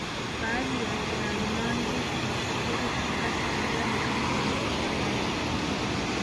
Baadhi ya akina mangi mashuhuri katika historia ni kama Mangi Shangali